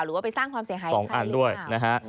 หรือว่าไปสร้างความเสียหายใครหรือเปล่าสองอันด้วยนะฮะ